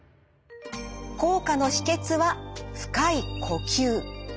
効果の秘けつは深い呼吸。